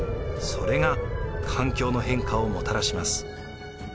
それが環境の変化をもたらします。